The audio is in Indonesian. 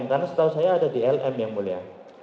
karena setahu saya ada di lm yang mulia